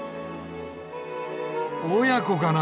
親子かな。